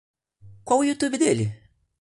Qual o YouTube dele?